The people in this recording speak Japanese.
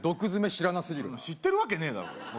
知らなすぎるな知ってるわけねえだろ